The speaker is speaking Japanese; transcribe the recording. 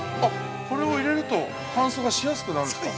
◆これを入れると、乾燥がしやすくなるんですか。